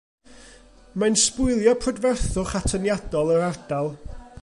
Mae'n sbwylio prydferthwch atyniadol yr ardal.